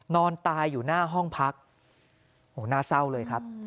นอนตายอยู่หน้าห้องพักโอ้โหน่าเศร้าเลยครับ